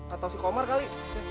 atau si komar kali